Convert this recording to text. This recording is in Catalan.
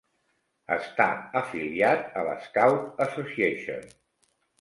Està afiliat a l'Scout Association.